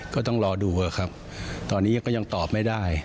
ก็ต้องรอดูครับตอนนี้ก็ยังตอบไม่ได้